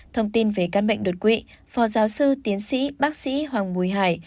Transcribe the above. thông tin về các bệnh đột quỵ phò giáo sư tiến sĩ bác sĩ hoàng mùi hải